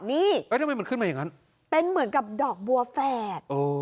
นี่เป็นเหมือนกับดอกบัวแฝด